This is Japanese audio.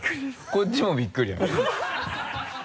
こっちもびっくりよ。